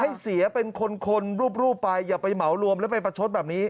ให้เสียเป็นคนรูปไปอย่าไปเหมารวมแล้วไปประชดแบบนี้